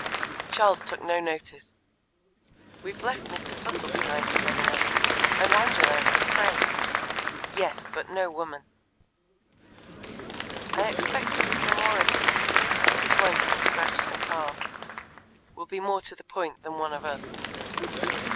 Charles took no notice. "We've left Mr. Fussell behind," said another; "and Angelo, and Crane." "Yes, but no woman." "I expect a little of" Mrs. Warrington scratched her palm " will be more to the point than one of us!"